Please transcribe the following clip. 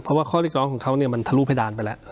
เพราะว่าข้อเรียกร้องของเขาเนี่ยมันทะลุเพดานไปแล้ว